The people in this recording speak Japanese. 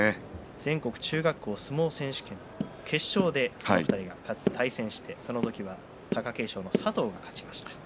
全国中学校相撲選手権決勝でこの２人が対戦してその時は貴景勝の佐藤が勝ちました。